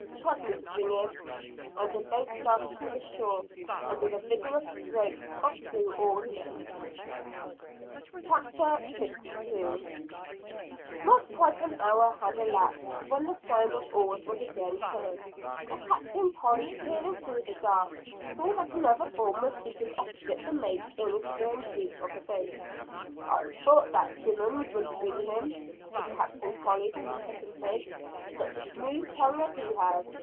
Trust me to bring him!" and the boat started for the shore, under the vigorous strokes of two oarsmen. CHAPTER LII. An Unwilling Parson. Not quite an hour had elapsed, when the sound of oars was again heard; and Captain Tolley, peering through the dark, saw that another form was seated opposite the mate in the stern sheets of the boat. "I thought that Simmons would bring him," said Captain Tolley to the second mate; "such a smooth tongue as he has.